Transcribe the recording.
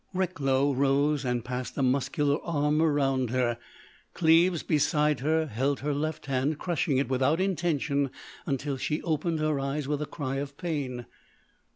Recklow rose and passed a muscular arm around her; Cleves, beside her, held her left hand, crushing it, without intention, until she opened her eyes with a cry of pain.